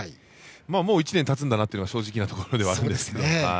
もう１年たつんだなというのは正直なところではあるんですが。